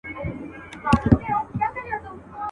نور به هغوی ټوله ژوند په پرله پسې توګه